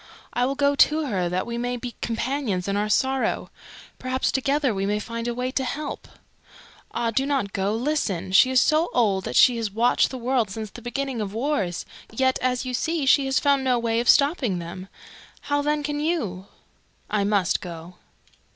I will go to her that we may be companions in our sorrow. Perhaps together we may find a way to help." "Ah, do not go. Listen! She is so old that she has watched the world since the beginning of wars, yet, as you see, she has found no way of stopping them. How then can you?" "I must go."